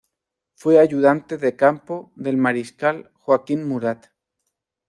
Fue ayudante de Campo del Mariscal Joaquín Murat.